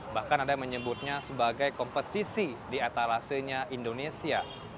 bahkan ada yang menyebutnya sebagai kompetisi di etalasenya indonesia